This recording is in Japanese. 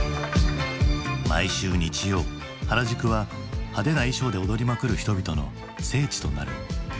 毎週日曜原宿は派手な衣装で踊りまくる人々の聖地となる。